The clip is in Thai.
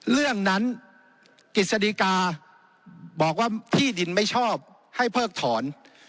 เรื่องนั้นกิจสดีกาบอกว่าที่ดินไม่ชอบให้เพิกถอน